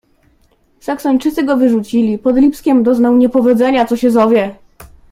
"Saksończycy go wyrzucili, pod Lipskiem doznał niepowodzenia, co się zowie!"